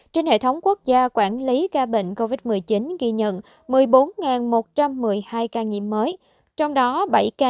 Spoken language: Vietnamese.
trên hệ thống quốc gia quản lý ca bệnh covid một mươi chín ghi nhận một mươi bốn một trăm một mươi hai ca nhiễm mới